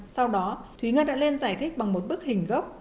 sau đó thúy ngân đã lên giải thích bằng một bức hình gốc